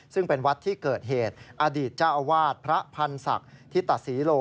ซึ่งเป็นวัดที่เกิดเหตุอดีตเจ้าอาวาสพระพันธ์ศักดิ์ธิตศรีโล